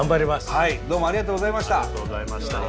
はいどうもありがとうございました！